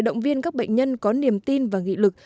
động viên các bệnh nhân có niềm tin và nghị lực